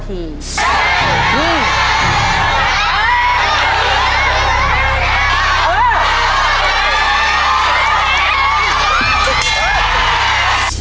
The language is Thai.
ขอบคุณครับ